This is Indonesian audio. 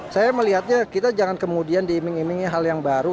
saya melihatnya kita jangan kemudian diiming imingi hal yang baru